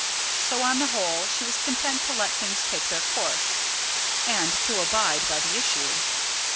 So, on the whole, she was content to let things take their course, and to abide by the issue.